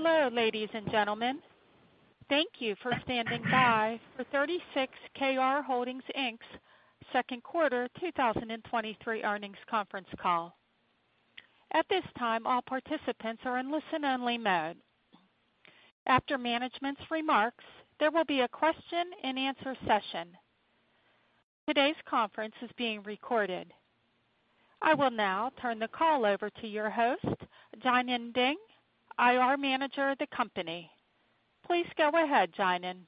Hello, ladies and gentlemen. Thank you for standing by for 36Kr Holdings Inc.'s second quarter 2023 earnings conference call. At this time, all participants are in listen-only mode. After management's remarks, there will be a question-and-answer session. Today's conference is being recorded. I will now turn the call over to your host, Jianan Ding, IR Manager of the company. Please go ahead, Jianan.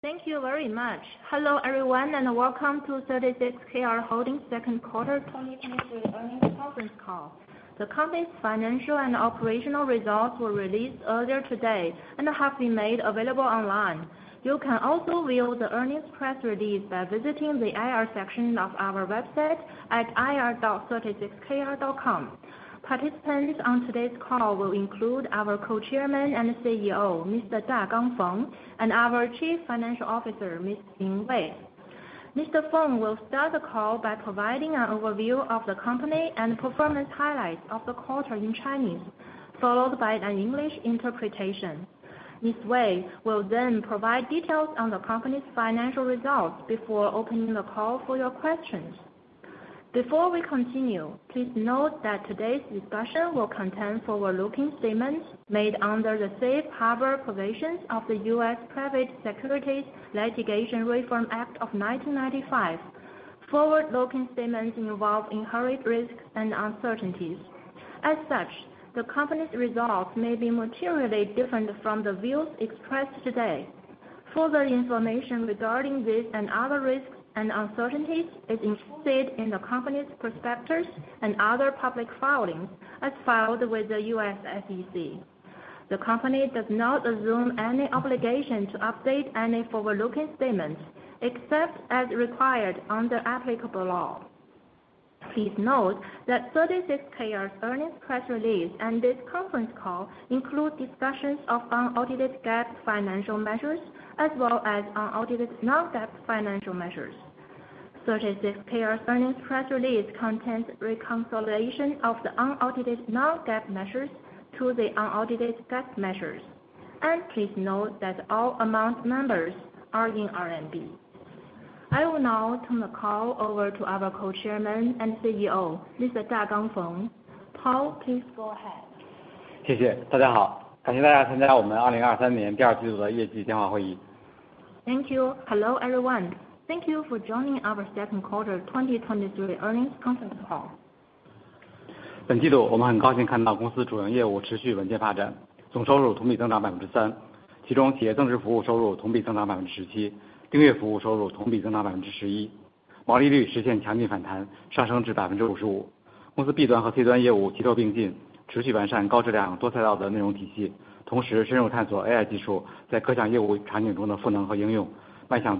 Thank you very much. Hello, everyone, and welcome to 36Kr Holdings second quarter 2023 earnings conference call. The company's financial and operational results were released earlier today and have been made available online. You can also view the earnings press release by visiting the IR section of our website at ir.36kr.com. Participants on today's call will include our Co-chairman and CEO, Mr. Dagang Feng, and our Chief Financial Officer, Ms. Lin Wei. Mr. Feng will start the call by providing an overview of the company and performance highlights of the quarter in Chinese, followed by an English interpretation. Ms. Wei will then provide details on the company's financial results before opening the call for your questions. Before we continue, please note that today's discussion will contain forward-looking statements made under the Safe Harbor Provisions of the U.S. Private Securities Litigation Reform Act of 1995. Forward-looking statements involve inherent risks and uncertainties. As such, the company's results may be materially different from the views expressed today. Further information regarding this and other risks and uncertainties is included in the company's prospectus and other public filings as filed with the U.S. SEC. The company does not assume any obligation to update any forward-looking statements, except as required under applicable law. Please note that 36Kr's earnings press release and this conference call include discussions of unaudited GAAP financial measures, as well as unaudited non-GAAP financial measures. 36Kr's earnings press release contains reconciliation of the unaudited non-GAAP measures to the unaudited GAAP measures. Please note that all amount numbers are in RMB. I will now turn the call over to our Co-chairman and CEO, Mr. Dagang Feng. Feng, please go ahead. 谢谢，大家好！感谢大家参加我们2023年第二季度的业绩电话会议。Thank you. Hello, everyone. Thank you for joining our second quarter 2023 earnings conference call. 本季度我们很高兴看到公司主营业务持续稳健发展，总收入同比增长3%，其中企业增值服务收入同比增长17%，订阅服务收入同比增长11%，毛利率实现强劲反弹，上升至55%。公司B端和C端业务齐头并进，持续完善高质量多赛道的的内容体系，同时深入探索AI技术在各项业务场景中的赋能和应用，迈向多元发展新阶段。We are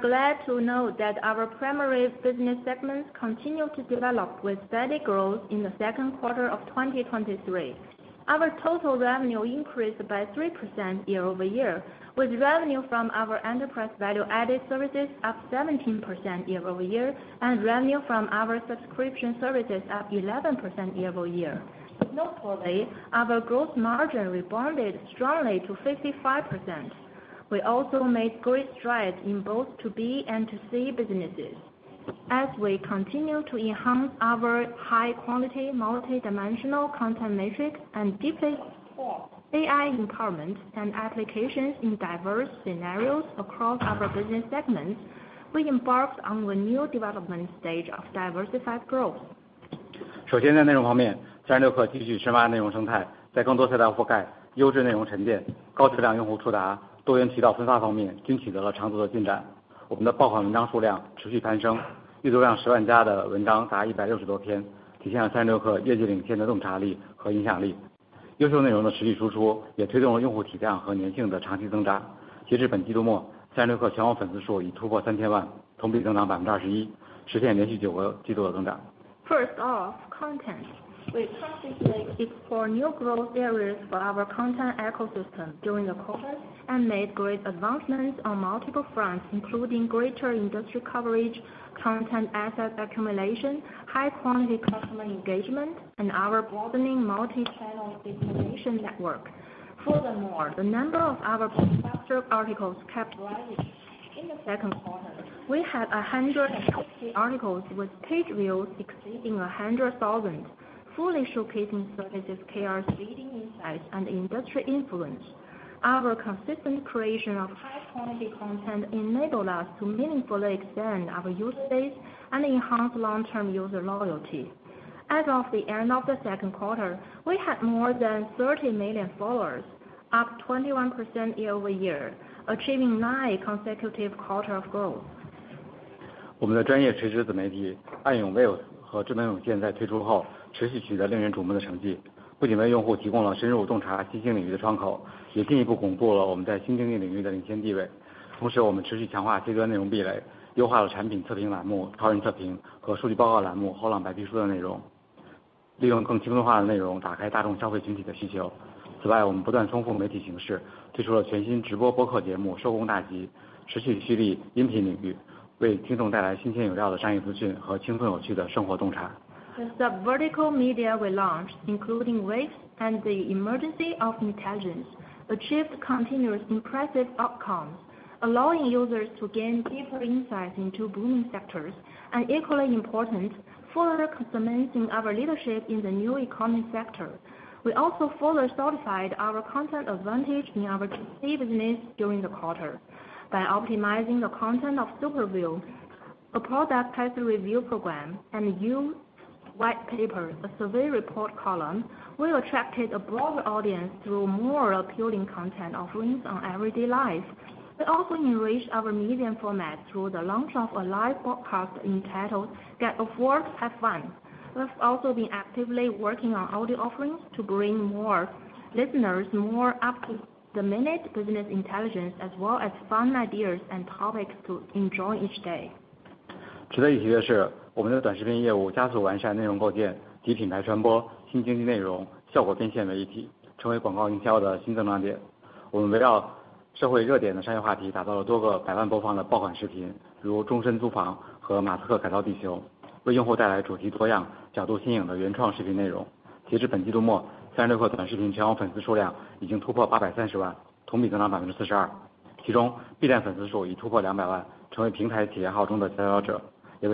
glad to know that our primary business segments continue to develop with steady growth in the second quarter of 2023. Our total revenue increased by 3% year-over-year, with revenue from our enterprise value-added services up 17% year-over-year, and revenue from our subscription services up 11% year-over-year. Notably, our gross margin rebounded strongly to 55%. We also made great strides in both B2B and B2C businesses. As we continue to enhance our high-quality, multidimensional content matrix and deeply explore AI empowerment and applications in diverse scenarios across our business segments, we embarked on a new development stage of diversified growth. 首先在内容方面，三十六氪继续深挖内容生态，在更多赛道覆盖、优质内容沉淀、高质量用户触达、多渠道分发方面均取得了长足的进展。我们的爆款文章数量持续攀升，阅读量10万+的文章达160多篇，体现了三十六氪业绩领先的洞察力和影响力。优质内容的持续输出，也推动了用户体量和粘性的长期增长。截至本季度末，三十六氪全网粉丝数已突破3000万，同比增长21%，实现连续9个季度的增长。First off, content. We constantly explore new growth areas for our content ecosystem during the quarter, and made great advancements on multiple fronts, including greater industry coverage, content asset accumulation, high-quality customer engagement, and our broadening multi-channel distribution network. Furthermore, the number of our popular articles kept rising. In the second quarter, we had 160 articles, with page views exceeding 100,000, fully showcasing 36Kr's leading insights and industry influence. Our consistent creation of high-quality content enable us to meaningfully expand our user base and enhance long-term user loyalty. As of the end of the second quarter, we had more than 30 million followers, up 21% year-over-year, achieving nine consecutive quarters of growth. 我们的专业垂直子媒体，艾涌 Whales 和智能涌现 在推出后持续取得令人瞩目的成绩，不仅为用户提供了深入洞察新兴领域的窗口，也进一步巩固了我们在新经济领域的领先地位。同时，我们持续强化 C 端 内容壁垒，优化了产品测评栏目、讨论测评和数据报告栏目和白皮书的内容，利用更轻松化的内容打开大众消费群体的需求。... 此外，我们不断丰富媒体形式，推出了全新直播播客节目《收工大吉》，持续蓄力音频领域，为听众带来新鲜有料的商业资讯和轻松有趣的生活洞察。The vertical media we launched, including Waves and The Emergence of Intelligence, achieved continuous impressive outcomes, allowing users to gain deeper insights into booming sectors, and equally important, further cementing our leadership in the new e-commerce sector. We also further solidified our content advantage in our key business during the quarter by optimizing the content of Superview, a product type review program, and Use White Paper, a survey report column. We attracted a broader audience through more appealing content offerings on everyday life. We also enrich our media formats through the launch of a live podcast entitled Get Off Work, Have Fun. We've also been actively working on audio offerings to bring more listeners more up to the minute business intelligence, as well as fun ideas and topics to enjoy each day. I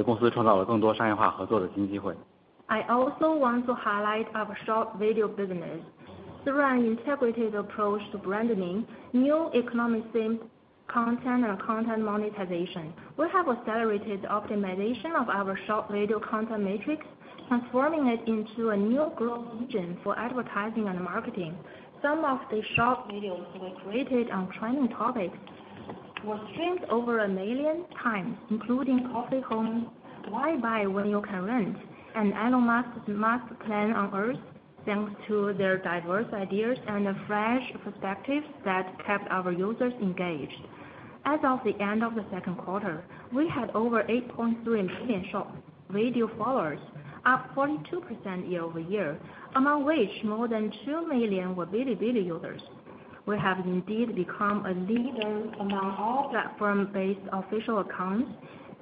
also want to highlight our short video business. Through an integrated approach to branding, new economic theme content, and content monetization, we have accelerated the optimization of our short video content matrix, transforming it into a new growth engine for advertising and marketing. Some of the short videos were created on trending topics were streamed over 1 million times, including Coffee Home, Why Buy When You Can Rent, and Elon Musk's Master Plan on Earth. Thanks to their diverse ideas and a fresh perspective that kept our users engaged. As of the end of the second quarter, we had over 8.3 million short video followers, up 42% year-over-year, among which more than 2 million were Bilibili users. We have indeed become a leader among all platform-based official accounts,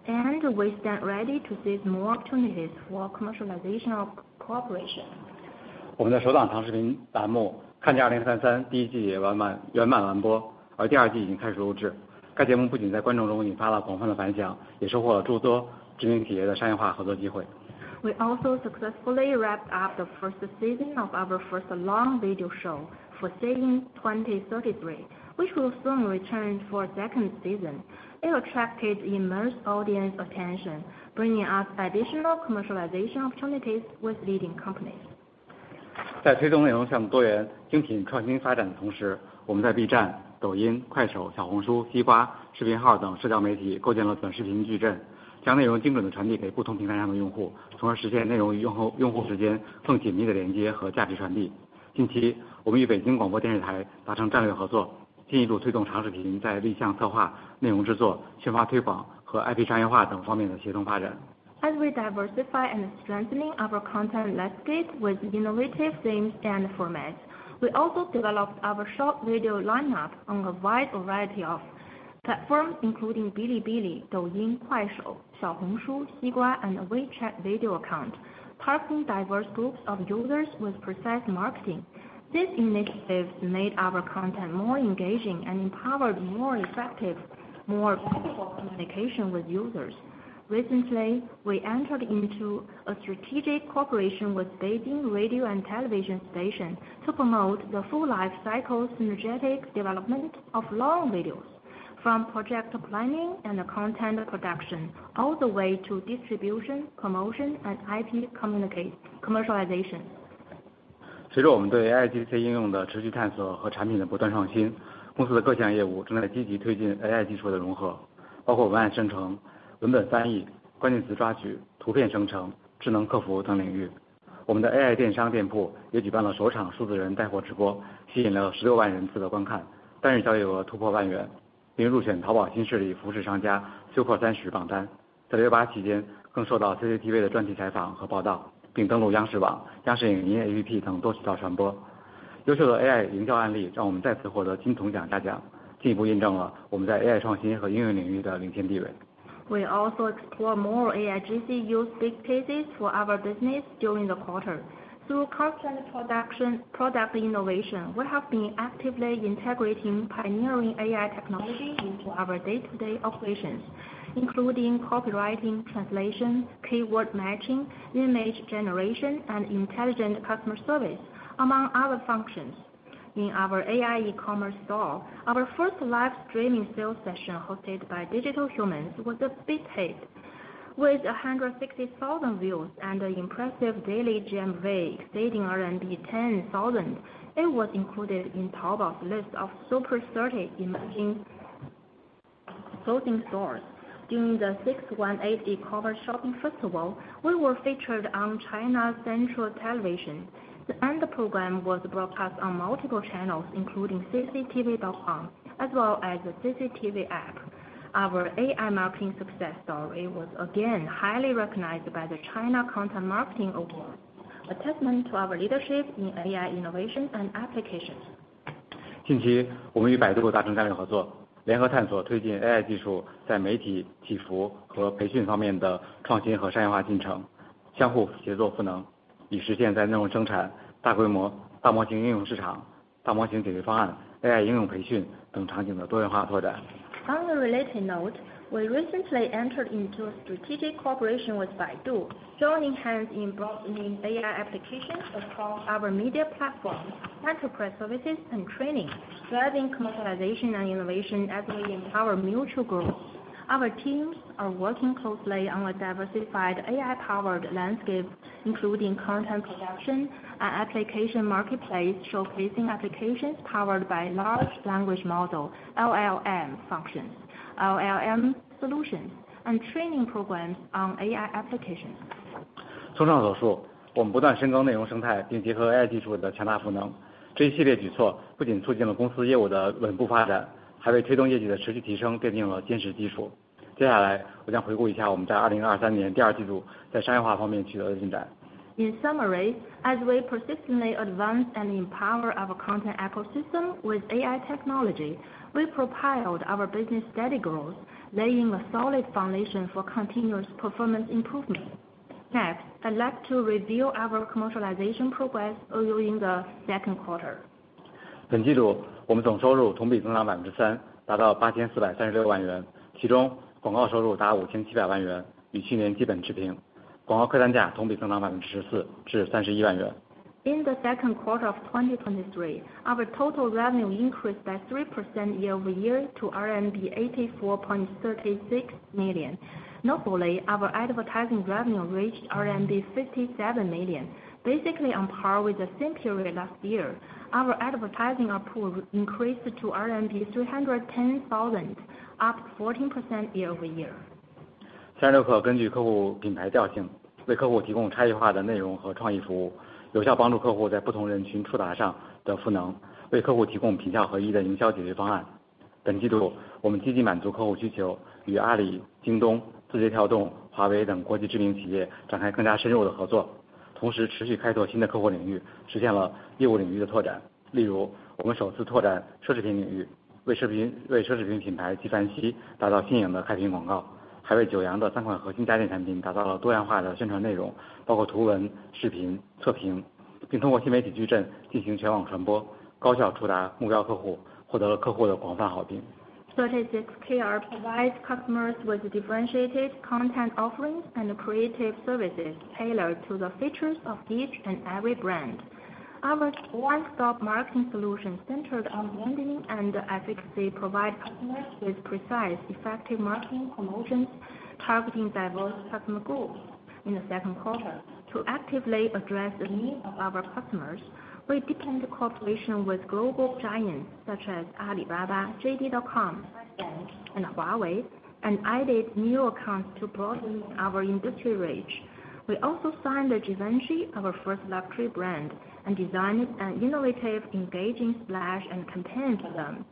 and we stand ready to seize more opportunities for commercialization of cooperation. 我们的首档长视频栏目《看见二零三三》第一季也圆满完播，而第二季已经开始录制。该节目不仅在观众中引发了广泛的反响，也收获了诸多知名企业的商业化合作机会。We also successfully wrapped up the first season of our first long video show, Foreseeing 2033, which will soon return for a second season. It attracted immense audience attention, bringing us additional commercialization opportunities with leading companies. 在推动内容向多元化精品创新发展的同时，我们在B站、抖音、快手、小红书、西瓜视频号等社交媒体构建了短视频矩阵，将内容精准地传递给不同平台上的用户，从而实现内容与用户，用户之间更紧密的连接和价值传递。近期，我们与北京广播电视台达成战略合作，进一步推动长视频在立项策划、内容制作、宣发推广和IP商业化等方面的协同发展。As we diversify and strengthening our content landscape with innovative themes and formats, we also developed our short video lineup on a wide variety of platforms, including Bilibili, Douyin, Kuaishou, Xiaohongshu, Xigua, and WeChat video account, targeting diverse groups of users with precise marketing. This initiative made our content more engaging and empowered, more effective, more personal communication with users. Recently, we entered into a strategic cooperation with Beijing Radio and Television Station to promote the full life cycle synergetic development of long videos from project planning and content production, all the way to distribution, promotion, and IP communicate commercialization. 随着我们对AIGC应用的持续探索和产品的不断创新，公司的各项业务正在积极推进AI技术的融合，包括文案生成、文本翻译、关键词抓取、图片生成、智能客服等领域。我们的AI电商店铺也举办了首场数字人带货直播，吸引了160,000人次的观看，单日交易额突破CNY 10,000，并入选淘宝新势力服饰商家Super 30榜单。在618期间，更受到CCTV的专题采访和报道，并登陆央视网、央视影音APP等多个渠道传播。优秀的AI营销案例，让我们再次获得金铜奖大奖，进一步印证了我们在AI创新和应用领域的领先地位。We also explore more AIGC use cases for our business during the quarter. Through content production product innovation, we have been actively integrating pioneering AI technology into our day-to-day operations, including copywriting, translation, keyword matching, image generation, and intelligent customer service, among other functions. In our AI e-commerce store, our first live streaming sales session hosted by digital humans was a big hit with 160,000 views and an impressive daily GMV exceeding RMB 10,000. It was included in Taobao's list of Super 30 emerging clothing stores. During the 618 E-commerce Shopping Festival, we were featured on China Central Television, and the program was broadcast on multiple channels, including cctv.com as well as the CCTV app. Our AI marketing success story was again highly recognized by the China Content Marketing Award, a testament to our leadership in AI innovation and applications. 近期我们与百度达成战略合作，联合探索推进AI技术在媒体、技术和培训方面的创新和商业化进程，相互协作赋能，以实现在内容生产、大规模大模型应用市场、大模型解决方案、AI应用培训等场景的多元化拓展。On a related note, we recently entered into a strategic cooperation with Baidu, joining hands in broadening AI applications across our media platforms, enterprise services, and training, driving commercialization and innovation as we empower mutual growth. Our teams are working closely on a diversified AI-powered landscape, including content production and application marketplace, showcasing applications powered by large language model, LLM functions, LLM solutions, and training programs on AI applications. 综上所述，我们不断深耕内容生态，并结合AI技术的强大赋能，这一系例举措不仅促进了公司业务的稳步发展，还为推动业绩的持续提升奠定了坚实基础。接下来，我将回顾一下我们在2023年第二季度在商业化方面取得的进展。In summary, as we persistently advance and empower our content ecosystem with AI technology, we profiled our business steady growth, laying a solid foundation for continuous performance improvement. Next, I'd like to review our commercialization progress during the second quarter. 本季度，我们总收入同比增长3%，达到CNY 8,436万元，其中广告收入达CNY 5,700万元，与去年基本持平。广告客单价同比增长14%，至CNY 31万元。In the second quarter of 2023, our total revenue increased by 3% year-over-year to RMB 84.36 million. Notably, our advertising revenue reached RMB 57 million, basically on par with the same period last year. Our advertising output increased to RMB 310,000, up 14% year-over-year. 36Kr provides customers with differentiated content offerings and creative services tailored to the features of each and every brand. Our one-stop marketing solutions, centered on branding and efficacy, provide customers with precise, effective marketing promotions targeting diverse customer groups. In the second quarter, to actively address the needs of our customers, we deepened cooperation with global giants such as Alibaba, JD.com, and Huawei, and added new accounts to broaden our industry reach. We also signed the Givenchy, our first luxury brand, and designed an innovative, engaging splash and campaign for them.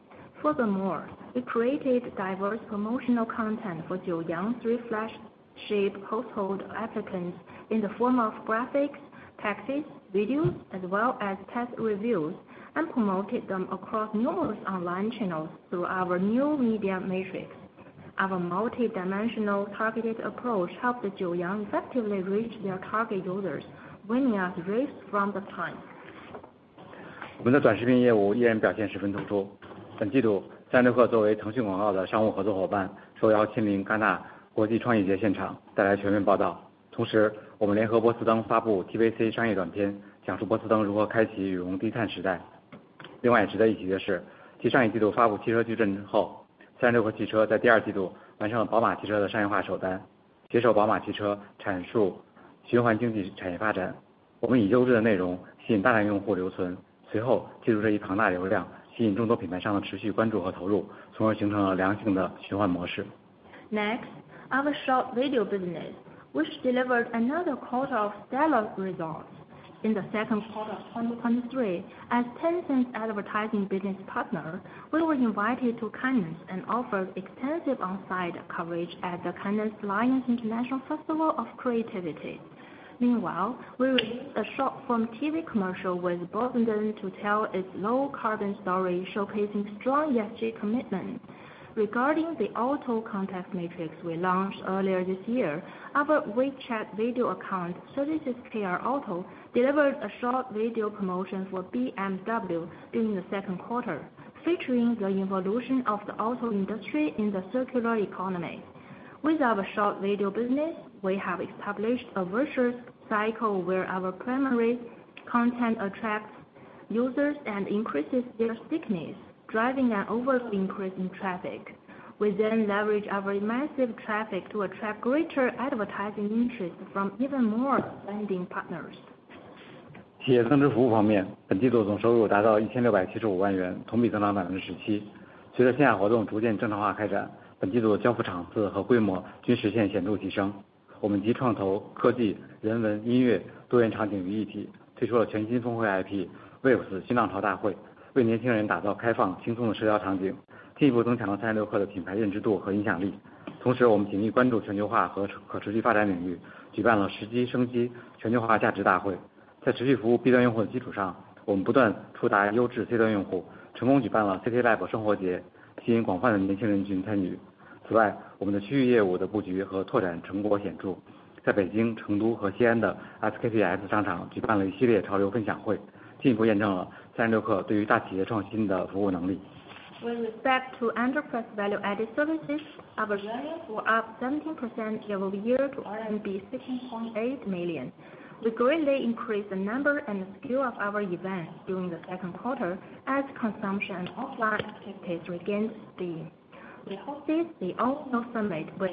Furthermore, we created diverse promotional content for Joyoung's three flagship household appliances in the form of graphics, texts, videos, as well as test reviews, and promoted them across numerous online channels through our new media matrix. Our multidimensional targeted approach helped Joyoung effectively reach their target users, winning us raves from the client. 我们的短视频业务依然表现十分突出。本季度，三十六氪作为腾讯广告的商务合作伙伴，受邀亲临戛纳国际创意节现场带来全面报道。同时，我们联合波士登发布TVC商业短片，讲述波士登如何开启羽绒低碳时代。另外，值得一提的是，继上一季度发布汽车矩阵之后，三十六氪汽车在第二季度完成了宝马汽车的商业化首单，携手宝马汽车阐述循环经济产业发展。我们以优质的内容吸引大量用户留存，随后借助这一庞大流量，吸引众多品牌商的持续关注和投入，从而形成了良性的循环模式。Next, our short video business, which delivered another quarter of stellar results. In the second quarter of 2023, as Tencent's advertising business partner, we were invited to Cannes and offered extensive on-site coverage at the Cannes Lions International Festival of Creativity. Meanwhile, we released a short form TV commercial with Bosideng to tell its low-carbon story, showcasing strong ESG commitment. Regarding the auto content matrix we launched earlier this year, our WeChat video account, 36Kr Auto, delivered a short video promotion for BMW during the second quarter, featuring the evolution of the auto industry in the circular economy. With our short video business, we have established a virtuous cycle where our primary content attracts users and increases their stickiness, driving an overall increase in traffic. We then leverage our massive traffic to attract greater advertising interest from even more branding partners. 企业增值服务方面，本季度总收入达到 CNY 16.75 million，同比增长 17%。随着线下活动逐渐正常化开展，本季度交付场次和规模均实现显著提升。... 我们集创投、科技、人文、音乐多元场景于一体，推出了全新峰会IP With respect to enterprise value added services, our revenue were up 17% year-over-year to RMB 16.8 million. We greatly increase the number and scale of our events during the second quarter as consumption and offline activities regained steam. We hosted the WISE Summit with,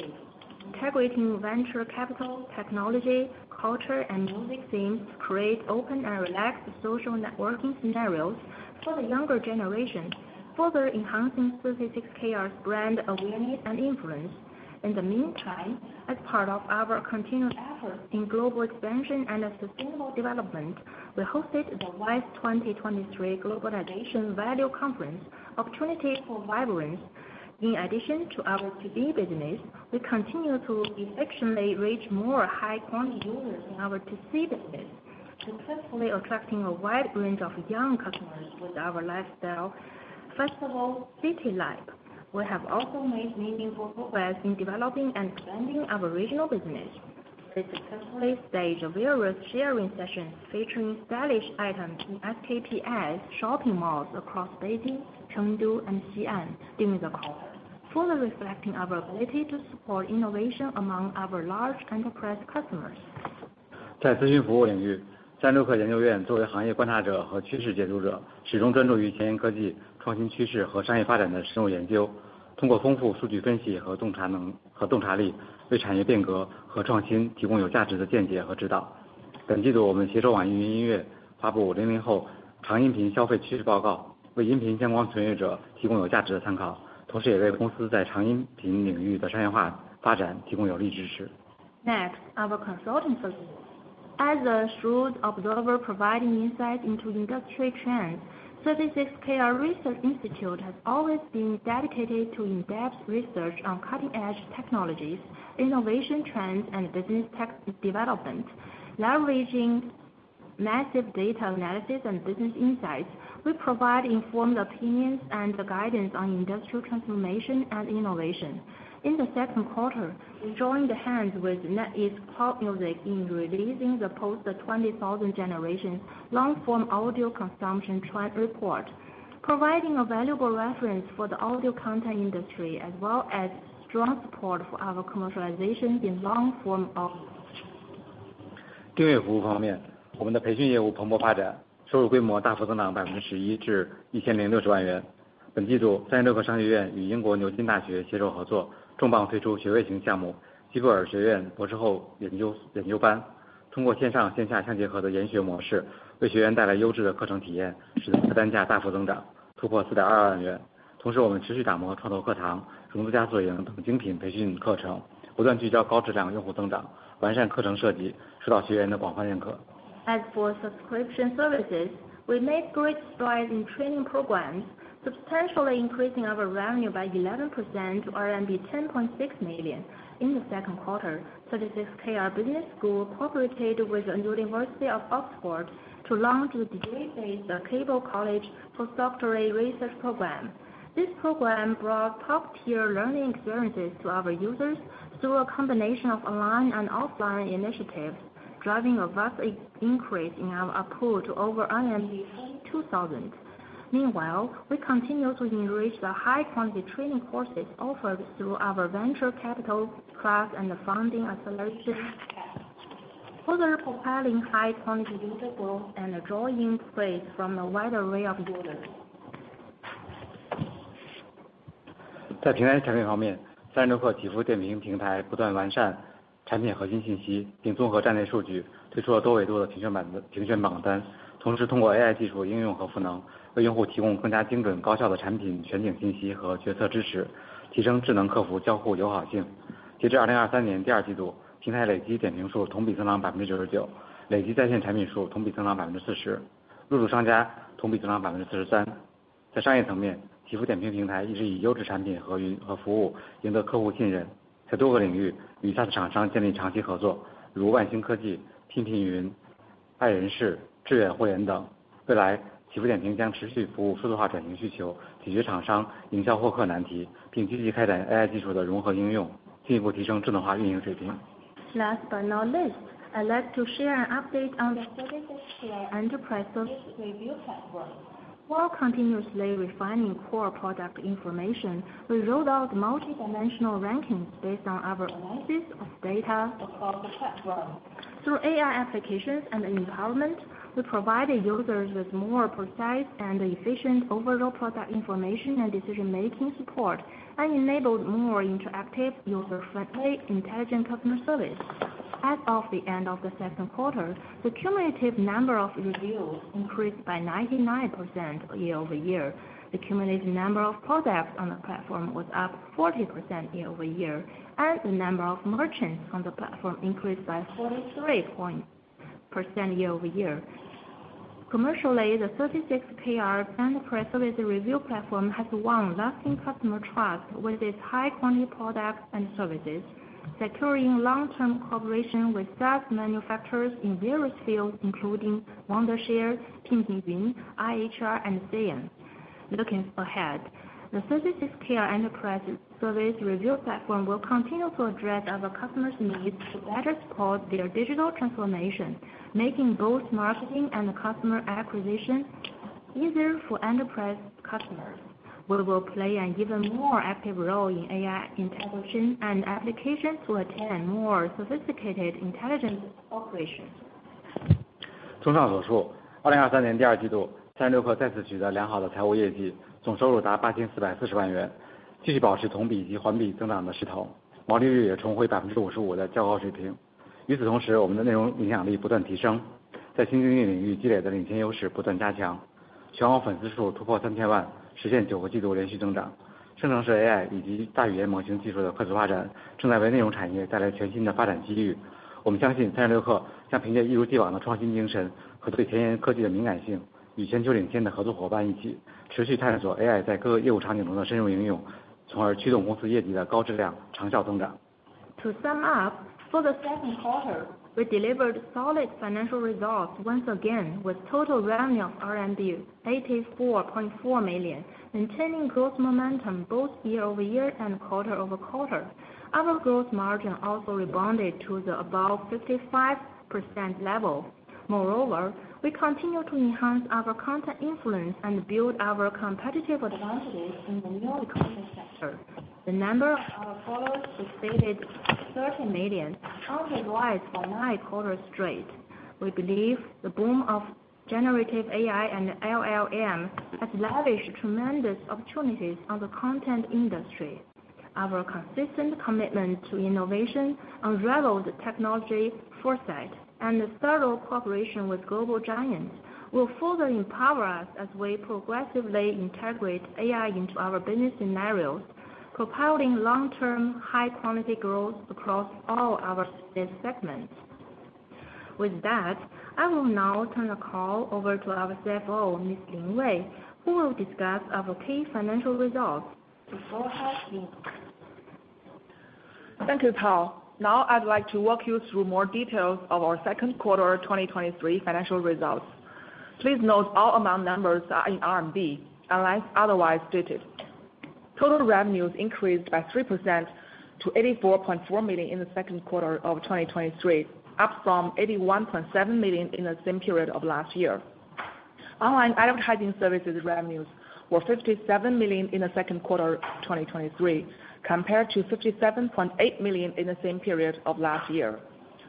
integrating venture capital, technology, culture, and music scenes to create open and relaxed social networking scenarios for the younger generation, further enhancing 36Kr's brand awareness and influence. In the meantime, as part of our continued effort in global expansion and sustainable development, we hosted the WISE 2023 Globalization Value Conference Opportunity for Vibrance. In addition to our To B business, we continue to effectively reach more high quality users in our To C business, successfully attracting a wide range of young customers with our lifestyle festival CityLab. We have also made meaningful progress in developing and expanding our regional business. We successfully staged various sharing sessions featuring stylish items in SKP's shopping malls across Beijing, Chengdu, and Xi'an during the quarter, fully reflecting our ability to support innovation among our large enterprise customers. 在咨询服务领域，三十六氪研究院作为行业观察者和趋势解读者，始终专注于前沿科技、创新趋势和商业发展的深入研究，通过丰富的数据分析和洞察力，为产业变革和创新提供有价值的见解和指导。本季度，我们携手网易云音乐发布零零后长音频消费趋势报告，为音频相关从业者提供有价值的参考，同时也为公司在长音频领域的商业化发展提供有力支持。Next, our consulting services. As a shrewd observer providing insights into industry trends, 36Kr Research Institute has always been dedicated to in-depth research on cutting-edge technologies, innovation trends, and business tech development. Leveraging massive data analysis and business insights, we provide informed opinions and guidance on industrial transformation and innovation. In the second quarter, we joined hands with NetEase Cloud Music in releasing the Post-2000 Generation Long-Form Audio Consumption Trend Report, providing a valuable reference for the audio content industry as well as strong support for our commercialization in long-form audio. 订阅服务方面，我们的培训业务蓬勃发展，收入规模大幅增长11%至CNY As for subscription services, we made great strides in training programs, substantially increasing our revenue by 11% to RMB 10.6 million in the second quarter. 36Kr Business School cooperated with the University of Oxford to launch the J-Base, Keble College Postdoctoral Research Program. This program brought top-tier learning experiences to our users through a combination of online and offline initiatives, driving a vast increase in our pool to over 2,000. Meanwhile, we continue to enrich the high-quality training courses offered through our venture capital class and founding acceleration, further propelling high-quality user growth and drawing praise from a wide array of users. Last but not least, I'd like to share an update on the 36Kr Enterprise Service Review platform. While continuously refining core product information, we rolled out multidimensional rankings based on our analysis of data across the platform. Through AI applications and empowerment, we provided users with more precise and efficient overall product information and decision-making support, and enabled more interactive, user-friendly, intelligent customer service. As of the end of the second quarter, the cumulative number of reviews increased by 99% year-over-year. The cumulative number of products on the platform was up 40% year-over-year, and the number of merchants on the platform increased by 43% year-over-year. Commercially, the 36Kr Enterprise Service Review platform has won lasting customer trust with its high-quality products and services, securing long-term cooperation with SaaS manufacturers in various fields, including Wondershare, Pingping, IHR, and Seeyon. Looking ahead, the 36Kr Enterprise Service Review platform will continue to address our customers' needs to better support their digital transformation, making both marketing and customer acquisition easier for enterprise customers. We will play an even more active role in AI integration and application to attain more sophisticated intelligence operations. To sum up, for the second quarter, we delivered solid financial results once again, with total revenue of RMB 84.4 million, maintaining growth momentum both year-over-year and quarter-over-quarter. Our growth margin also rebounded to the above 55% level. Moreover, we continue to enhance our content influence and build our competitive advantages in the new content sector. The number of our followers exceeded 30 million, countrywide for 9 quarters straight. We believe the boom of generative AI and LLM has lavished tremendous opportunities on the content industry. Our consistent commitment to innovation, unrivaled technology foresight, and the thorough cooperation with global giants will further empower us as we progressively integrate AI into our business scenarios, propelling long-term, high-quality growth across all our business segments. With that, I will now turn the call over to our CFO, Ms. Lin Wei, who will discuss our key financial results. The floor is yours. Thank you, Jianan. Now, I'd like to walk you through more details of our second quarter 2023 financial results. Please note all amount numbers are in RMB, unless otherwise stated. Total revenues increased by 3% to 84.4 million in the second quarter of 2023, up from 81.7 million in the same period of last year. Online advertising services revenues were 57 million in the second quarter of 2023, compared to 57.8 million in the same period of last year.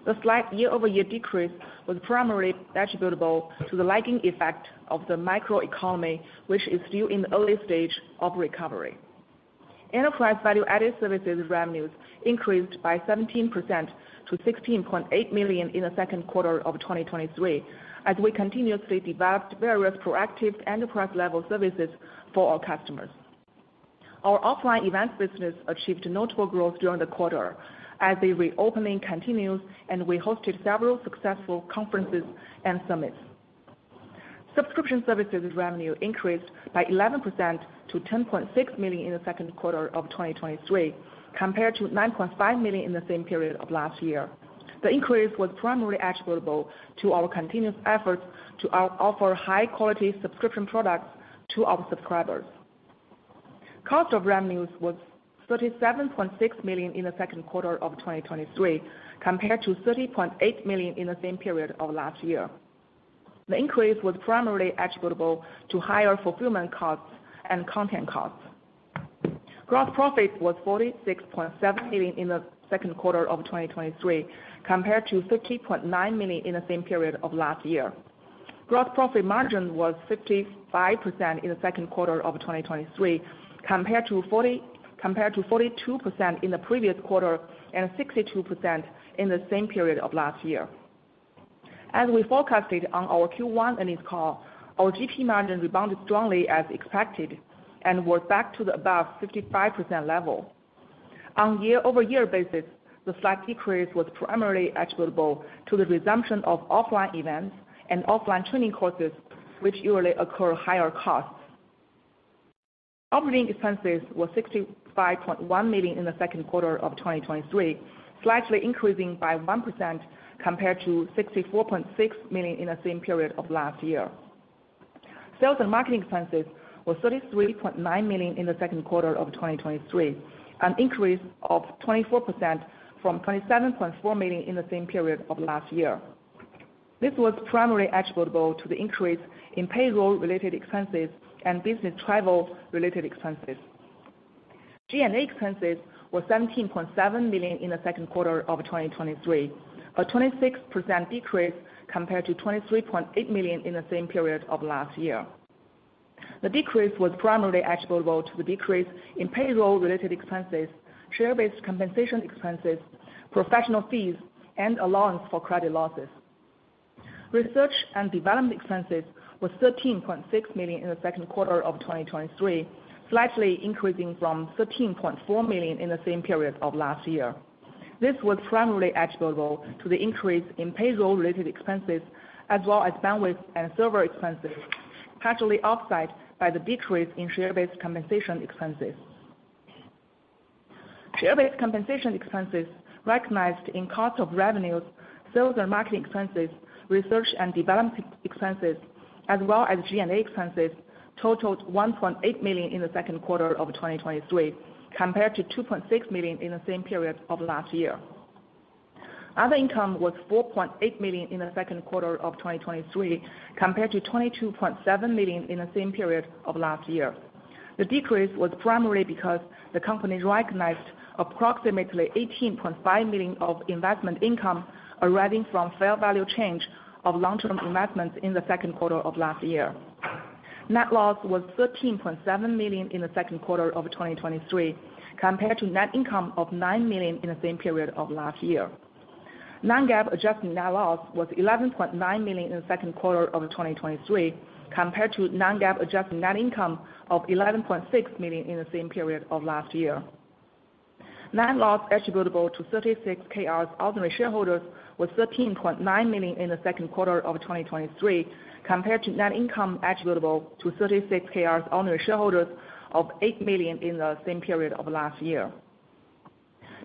The slight year-over-year decrease was primarily attributable to the lagging effect of the macro economy, which is still in the early stage of recovery. Enterprise value-added services revenues increased by 17% to 16.8 million in the second quarter of 2023, as we continuously developed various proactive enterprise-level services for our customers. Our offline event business achieved notable growth during the quarter as the reopening continues, and we hosted several successful conferences and summits. Subscription services revenue increased by 11% to 10.6 million in the second quarter of 2023, compared to 9.5 million in the same period of last year. The increase was primarily attributable to our continuous efforts to offer high-quality subscription products to our subscribers. Cost of revenues was 37.6 million in the second quarter of 2023, compared to 30.8 million in the same period of last year. The increase was primarily attributable to higher fulfillment costs and content costs. Gross profit was 46.7 million in the second quarter of 2023, compared to 50.9 million in the same period of last year. Gross profit margin was 55% in the second quarter of 2023, compared to 42% in the previous quarter, and 62% in the same period of last year. As we forecasted on our Q1 earnings call, our GP margin rebounded strongly as expected and was back to the above 55% level. On year-over-year basis, the slight decrease was primarily attributable to the resumption of offline events and offline training courses, which usually occur at higher costs. Operating expenses were 65.1 million in the second quarter of 2023, slightly increasing by 1% compared to 64.6 million in the same period of last year. Sales and marketing expenses were 33.9 million in the second quarter of 2023, an increase of 24% from 27.4 million in the same period of last year. This was primarily attributable to the increase in payroll-related expenses and business travel-related expenses. G&A expenses were 17.7 million in the second quarter of 2023, a 26% decrease compared to 23.8 million in the same period of last year. The decrease was primarily attributable to the decrease in payroll-related expenses, share-based compensation expenses, professional fees, and allowance for credit losses. Research and development expenses was 13.6 million in the second quarter of 2023, slightly increasing from 13.4 million in the same period of last year. This was primarily attributable to the increase in payroll-related expenses as well as bandwidth and server expenses, partially offset by the decrease in share-based compensation expenses. Share-based compensation expenses recognized in cost of revenues, sales and marketing expenses, research and development expenses, as well as G&A expenses, totaled 1.8 million in the second quarter of 2023, compared to 2.6 million in the same period of last year. Other income was 4.8 million in the second quarter of 2023, compared to 22.7 million in the same period of last year. The decrease was primarily because the company recognized approximately 18.5 million of investment income arising from fair value change of long-term investments in the second quarter of last year. Net loss was 13.7 million in the second quarter of 2023, compared to net income of 9 million in the same period of last year. Non-GAAP adjusted net loss was 11.9 million in the second quarter of 2023, compared to non-GAAP adjusted net income of 11.6 million in the same period of last year. Net loss attributable to 36Kr's ultimate shareholders was 13.9 million in the second quarter of 2023, compared to net income attributable to 36Kr's owner shareholders of 8 million in the same period of last year.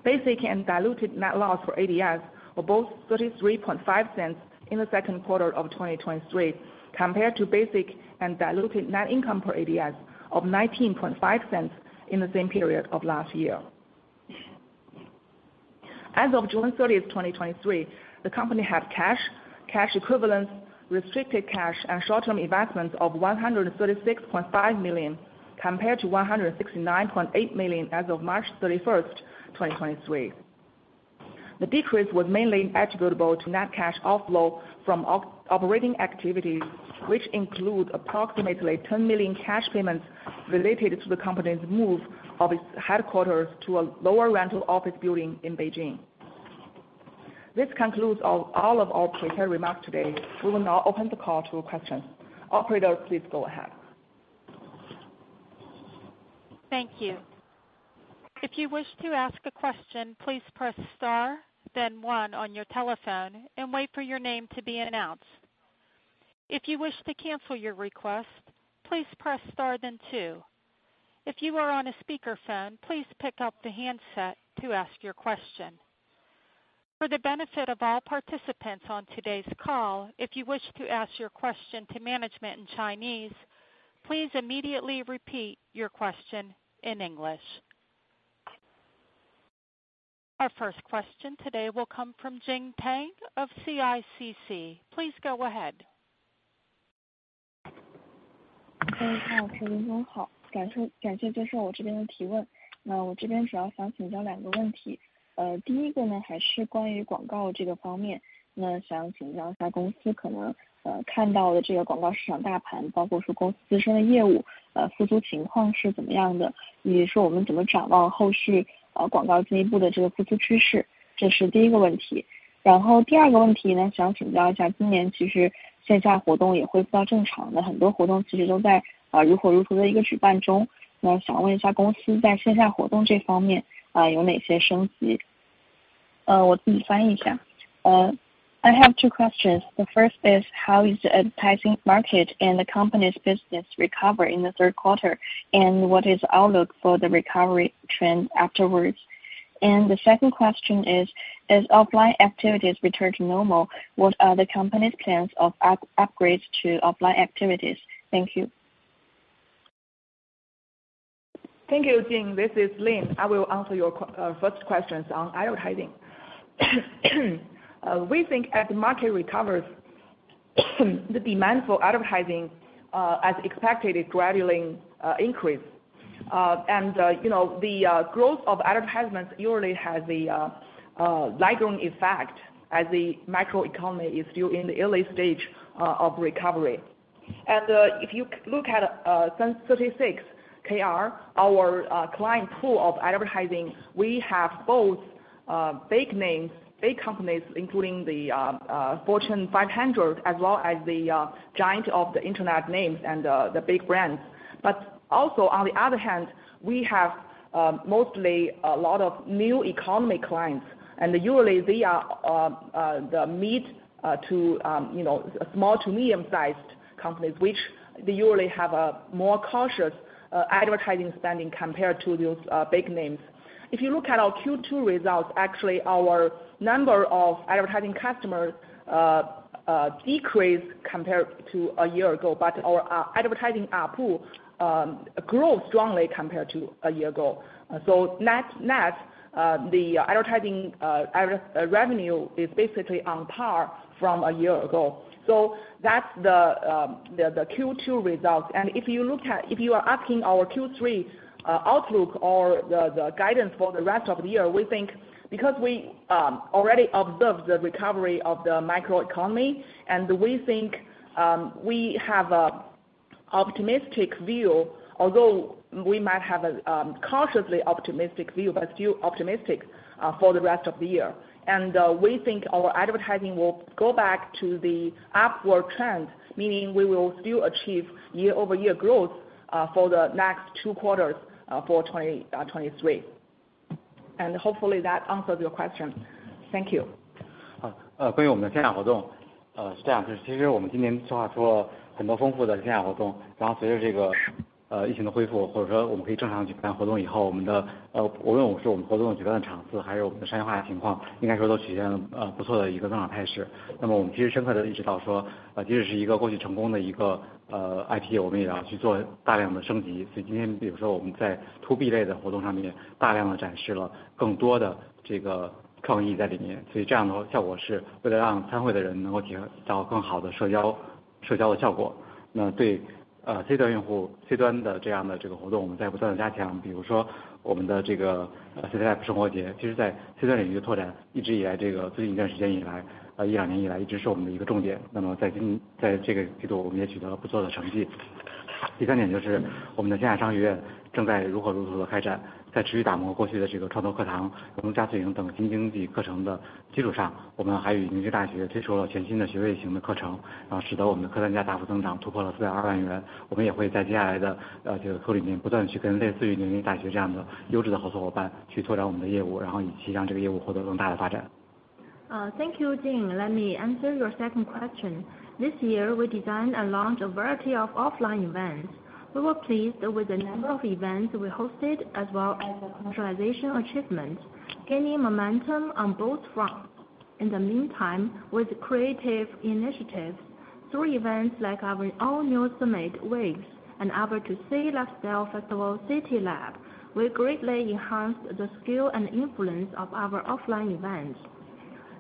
Basic and diluted net loss for ADS were both $0.335 in the second quarter of 2023, compared to basic and diluted net income per ADS of $0.195 in the same period of last year. As of June 30, 2023, the company had cash, cash equivalents, restricted cash and short-term investments of 136.5 million, compared to 169.8 million as of March 31, 2023. The decrease was mainly attributable to net cash outflow from operating activities, which include approximately 10 million cash payments related to the company's move of its headquarters to a lower rental office building in Beijing. This concludes all of our prepared remarks today. We will now open the call to questions. Operator, please go ahead. Thank you. If you wish to ask a question, please press star, then one on your telephone and wait for your name to be announced. If you wish to cancel your request, please press star, then two. If you are on a speakerphone, please pick up the handset to ask your question. For the benefit of all participants on today's call, if you wish to ask your question to management in Chinese, please immediately repeat your question in English. Our first question today will come from Jing Tang of CICC. Please go ahead. Hello, Tang. I have two questions. The first is: How is the advertising market and the company's business recover in the third quarter, and what is the outlook for the recovery trend afterwards? And the second question is: As offline activities return to normal, what are the company's plans of upgrades to offline activities? Thank you. Thank you, Jing. This is Lin. I will answer your first questions on advertising. We think as the market recovers, the demand for advertising, as expected, is gradually increase. And, you know, the growth of advertisements usually has a lagging effect as the microeconomy is still in the early stage of recovery. If you look at some 36Kr, our client pool of advertising, we have both big names, big companies, including the Fortune 500, as well as the giant of the internet names and the big brands. But also, on the other hand, we have mostly a lot of new economy clients, and usually they are the mid to, you know, small to medium-sized companies, which they usually have a more cautious advertising spending compared to those big names. If you look at our Q2 results, actually, our number of advertising customers decreased compared to a year ago, but our advertising pool grew strongly compared to a year ago. So net, the advertising ad revenue is basically on par from a year ago. So that's the Q2 results. And if you are asking our Q3 outlook or the guidance for the rest of the year, we think because we already observed the recovery of the microeconomy, and we think we have a optimistic view, although we might have a cautiously optimistic view, but still optimistic for the rest of the year. And we think our advertising will go back to the upward trend, meaning we will still achieve year-over-year growth for the next two quarters for 2023. And hopefully that answers your question. Thank you. 像样的线下活动，是这样的，就是其实我们今年策划出了很多丰富的线下活动，然后随着这个，疫情的恢复，或者说我们可以正常举办活动以后，我们的，无论是我们活动的举办的场次，还有我们的商业化情况，应该说都实现了，不错的一个增长态势。那么我们其实深刻地认识到，说，即使是一个过去成功的一个，IP，我们也得要去做大量的升级。所以今天比如说我们在To B类的活动上面，大量地展示了更多的这个创意在里面，所以这样的效果是为了让参会的人能够体验到更好的社交，社交的效果。那对，C端用户，C端的这样的这个活动，我们在不断的加强，比如说我们的这个，CityLab生活节，其实在C端领域的拓展，一直以来，这个最近一段时间以来，一两年以来一直是我们的一重点。那么在这个季度我们也取得了不错的成绩。第三点，就是我们的线上商学院正在如火如荼地开展，在持续打磨过去这个创投课堂、融资加速营等精英级课程的基础上，我们还与知名大学推出了全新的学位型的课程，使得我们的课单价大幅增长，突破了420万元。我们也会在接下来的，这个周期里面，不断地去跟类似于名校大学这样的优质的好合作伙伴去拓展我们的业务，然后以及让这个业务获得更大的发展。Thank you, Jing. Let me answer your second question. This year, we designed and launched a variety of offline events. We were pleased with the number of events we hosted, as well as the commercialization achievements, gaining momentum on both fronts. In the meantime, with creative initiatives through events like our all-new WISE Summit, Waves, and our WISE Lifestyle Festival, CityLab, we greatly enhanced the scale and influence of our offline events.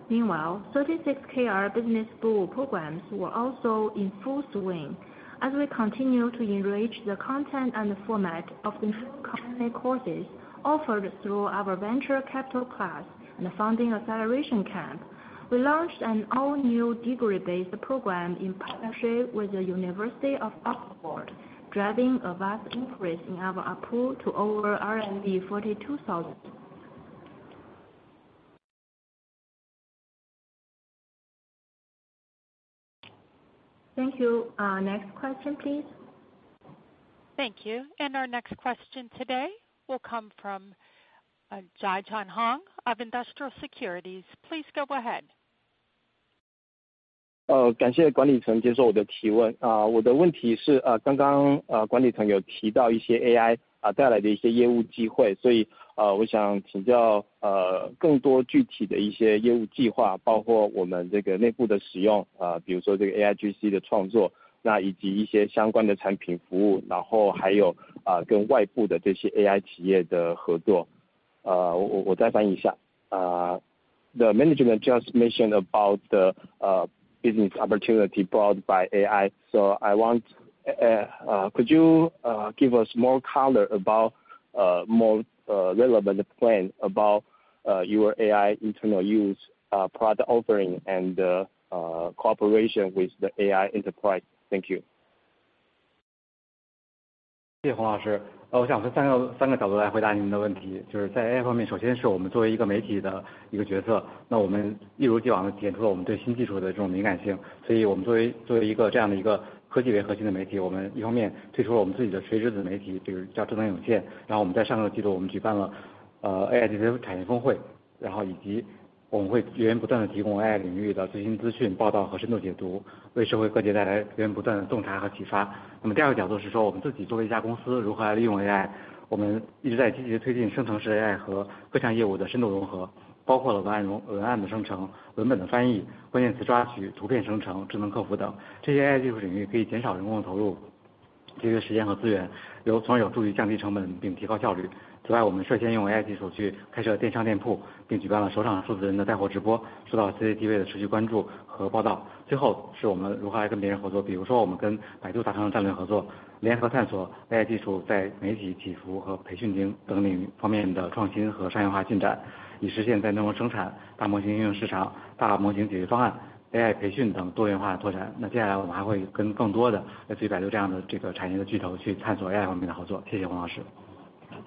Meanwhile, 36Kr Business School programs were also in full swing, as we continue to enrich the content and the format of the company courses offered through our Venture Capital Class and the Founding Acceleration Camp. We launched an all-new degree-based program in partnership with the University of Oxford, driving a vast increase in our approval to over 42,000. Thank you. Next question, please. Thank you. Our next question today will come from Jiajun Hong of Industrial Securities. Please go ahead. 感谢管理层接受我的提问。我的问题是，刚刚，管理层有提到一些AI带来的业务机会，所以，我想请教，更多具体的一些业务计划，包括我们这个内部的使用，比如说这个AIGC的创作，以及一些相关的产品服务，然后还有，跟外部的这些AI企业的合作。我再翻译一下，The management just mentioned about the business opportunity brought by AI. Could you give us more color about more relevant plan about your AI internal use, product offering and cooperation with the AI enterprise? Thank you.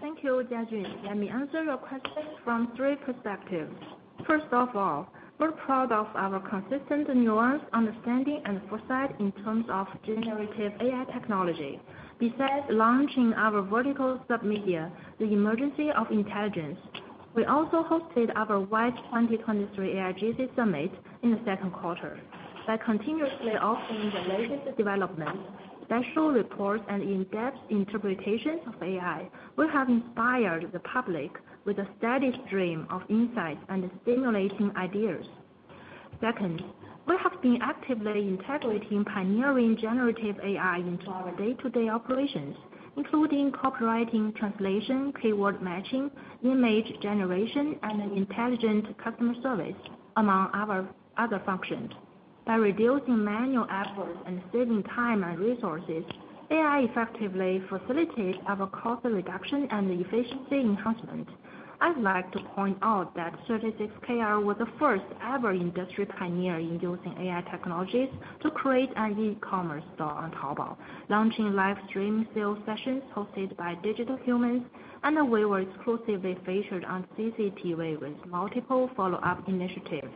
Thank you, Jiajun. Let me answer your question from three perspectives. First of all, we're proud of our consistent nuance, understanding, and foresight in terms of generative AI technology. Besides launching our vertical submedia, the Emergence of Intelligence, we also hosted our WISE 2023 AIGC Summit in the second quarter. By continuously offering the latest developments, special reports, and in-depth interpretations of AI, we have inspired the public with a steady stream of insights and stimulating ideas. Second, we have been actively integrating pioneering generative AI into our day-to-day operations, including copywriting, translation, keyword matching, image generation, and intelligent customer service, among our other functions. By reducing manual efforts and saving time and resources, AI effectively facilitates our cost reduction and efficiency enhancement. I'd like to point out that 36Kr was the first ever industry pioneer in using AI technologies to create an e-commerce store on Taobao, launching live stream sales sessions hosted by digital humans, and we were exclusively featured on CCTV with multiple follow-up initiatives.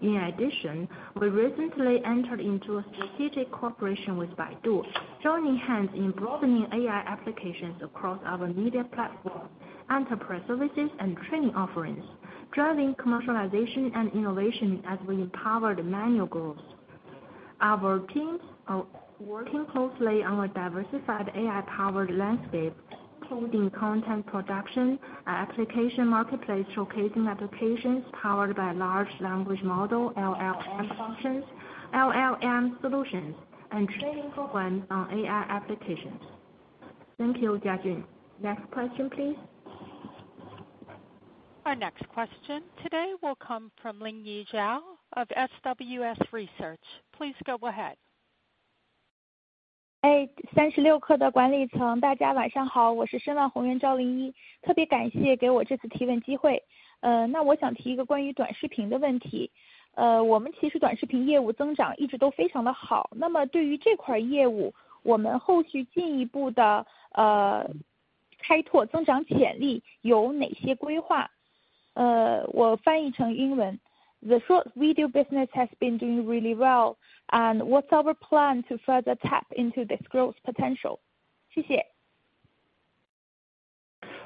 In addition, we recently entered into a strategic cooperation with Baidu, joining hands in broadening AI applications across our media platforms, enterprise services and training offerings, driving commercialization and innovation as we empower the mutual growth. Our teams are working closely on a diversified AI-powered landscape, including content production, application marketplace, showcasing applications powered by large language model, LLM functions, LLM solutions, and training programs on AI applications. Thank you, Jiajun. Next question, please. Our next question today will come from Lingyi Zhao of SWS Research. Please go ahead. Hey, 36Kr的管理层，大家晚上好！我是SWS Research的Lingyi Zhao，特别感谢给我这次提问机会。那么我想提一个关于短视频的问题，我们其实短视频业务增长一直都非常的好，那么对于这块业务，我们后续进一步的开拓增长潜力有哪些规划？我翻译成英文。The short video business has been doing really well, and what's our plan to further tap into this growth potential? 谢谢。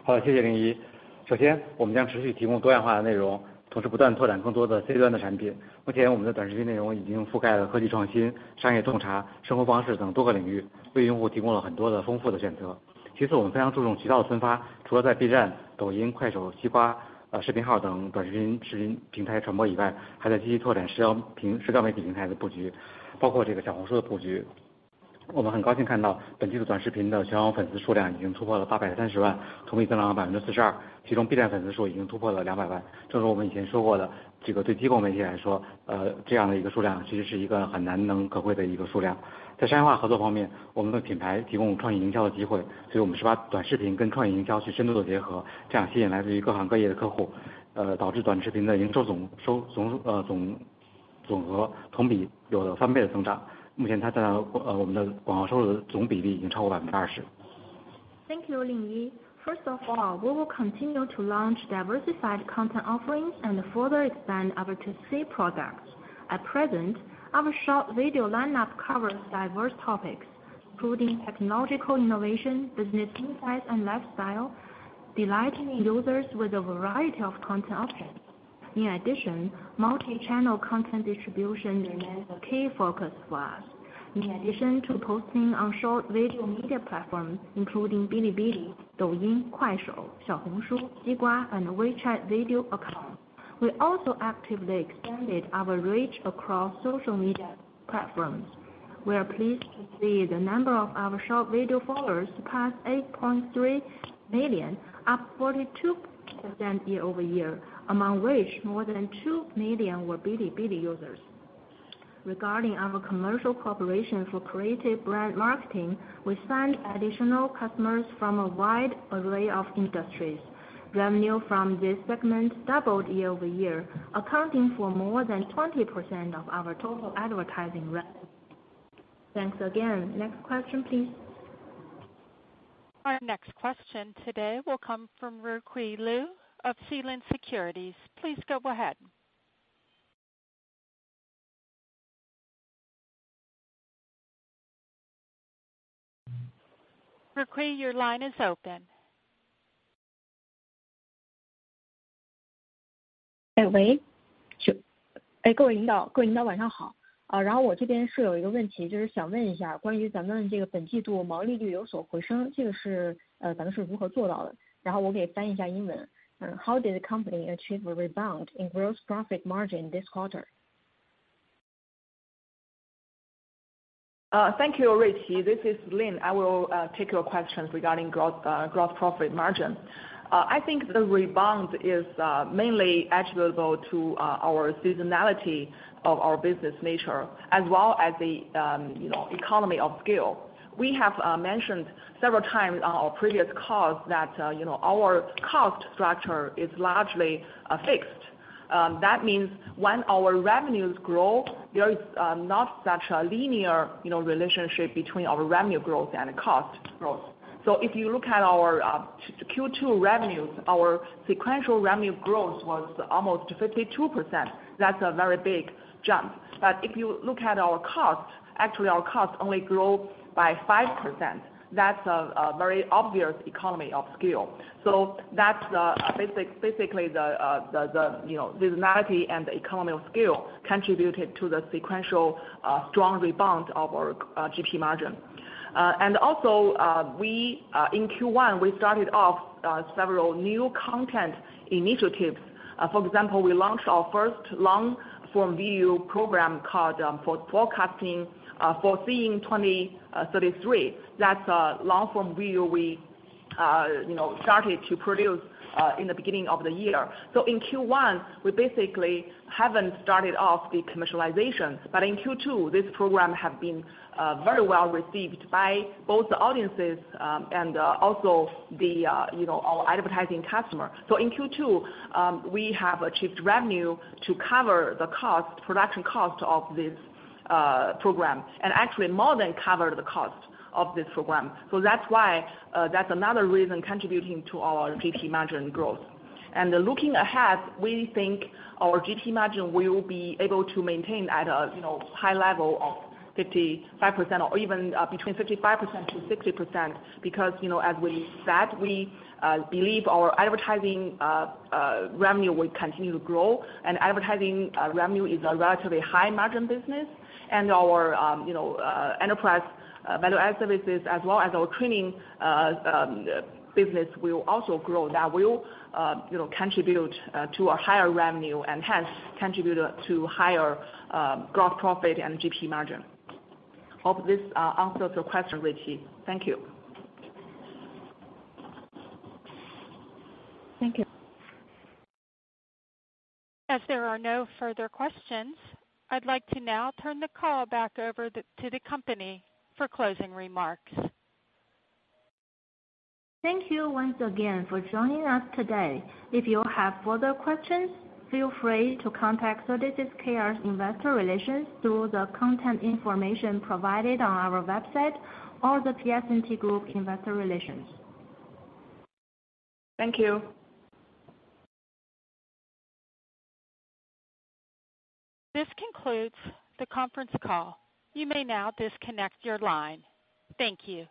好的，谢谢灵依。首先我们将继续提供多样化的内容，同时不断拓展更多的C端的产品。目前我们的短视频内容已经覆盖了科技创新、商业洞察、生活方式等多个领域，为用户提供了很多丰富的选择。其次，我们非常注重渠道的分发，除了在B站、抖音、快手、西瓜、视频号等短视频平台传播以外，还在积极拓展社交媒体平台的布局，包括这个小红书的布局。我们很高兴看到，本季的短视频的粉丝数量已经突破了830万，同比增加了42%，其中B站粉丝数已经突破了200万。正如我们以前说过的，这个对机构媒体来说，这样的一个数量其实是一个很难能可贵的数量。在商业化合作方面，我们的品牌提供创意营销的机会，所以我们是把短视频跟创意营销去深度地结合，这样吸引来自于各行各业的客户，导致短视频的营收总和同比有了翻倍的增长。目前它在我们广告收入的总比例已经超过20%。Thank you, Lingyi. First of all, we will continue to launch diversified content offerings and further expand our to-C products. At present, our short video lineup covers diverse topics, including technological innovation, business insights, and lifestyle, delighting users with a variety of content options. In addition, multi-channel content distribution remains a key focus for us. In addition to posting on short video media platforms, including Bilibili, Douyin, Kuaishou, Xiaohongshu, Xigua, and WeChat video account, we also actively expanded our reach across social media platforms. We are pleased to see the number of our short video followers surpass 8.3 million, up 42% year-over-year, among which more than 2 million were Bilibili users. Regarding our commercial cooperation for creative brand marketing, we signed additional customers from a wide array of industries. Revenue from this segment doubled year-over-year, accounting for more than 20% of our total advertising revenue. Thanks again. Next question, please. Our next question today will come from Ruqi Lu of Sealand Securities. Please go ahead. Ruqi, your line is open. 各位领导，各位领导晚上好！然后我这边有一个问题，就是想问一下，关于咱们这个本季度毛利率有所回升，这个是，咱们是如何做到的？然后我给翻一下英文，How did the company achieve a rebound in gross profit margin this quarter? Thank you, Ruqi. This is Lin. I will take your question regarding gross profit margin. I think the rebound is mainly attributable to our seasonality of our business nature, as well as the, you know, economy of scale. We have mentioned several times on our previous calls that, you know, our cost structure is largely fixed. That means when our revenues grow, there is not such a linear, you know, relationship between our revenue growth and cost growth. So if you look at our Q2 revenues, our sequential revenue growth was almost 52%. That's a very big jump. But if you look at our costs, actually, our costs only grew by 5%. That's a very obvious economy of scale. So that's basically the, you know, seasonality and the economy of scale contributed to the sequential strong rebound of our GP margin. And also, we in Q1 started off several new content initiatives. For example, we launched our first long-form video program called Foreseeing 2033. That's a long-form video you know started to produce in the beginning of the year. So in Q1, we basically haven't started off the commercialization. But in Q2, this program have been very well received by both the audiences and also the you know our advertising customer. So in Q2, we have achieved revenue to cover the cost, production cost of this program, and actually more than covered the cost of this program. So that's why, that's another reason contributing to our GP margin growth. And looking ahead, we think our GP margin will be able to maintain at a, you know, high level of 55% or even between 55%-60%. Because, you know, as we said, we believe our advertising revenue will continue to grow, and advertising revenue is a relatively high-margin business. And our, you know, enterprise value-add services, as well as our training business, will also grow. That will, you know, contribute to a higher revenue and, hence, contribute to higher gross profit and GP margin. Hope this answers your question, Ruqi. Thank you. Thank you. As there are no further questions, I'd like to now turn the call back over to the company for closing remarks. Thank you once again for joining us today. If you have further questions, feel free to contact 36Kr Investor Relations through the contact information provided on our website or the 36Kr Investor Relations. Thank you. This concludes the conference call. You may now disconnect your line. Thank you.